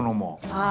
はい。